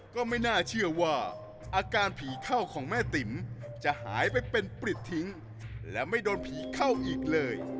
ก็ไม่น่าเชื่อว่าอาการผีเข้าของแม่ติ๋มจะหายไปเป็นปริดทิ้งและไม่โดนผีเข้าอีกเลย